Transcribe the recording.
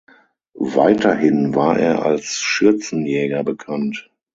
Weiterhin war er als Schürzenjäger bekannt.